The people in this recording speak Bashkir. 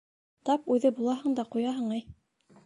Тап үҙе булаһың да ҡуяһың, әй!